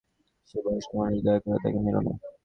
সে বয়স্ক মানুষ, দয়া করে তাকে মেরো না।